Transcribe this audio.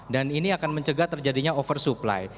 dan ini akan mencegah terjadinya oversupply